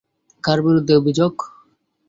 কার বিরুদ্ধে অভিযোগ?